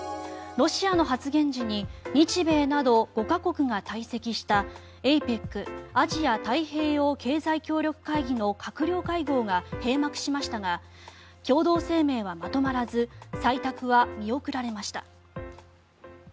ロシアの発言時に日米など５か国が退席したＡＰＥＣ・アジア太平洋経済協力会議の閣僚会合が閉幕しましたが共同声明はまとまらず採択は見送られました。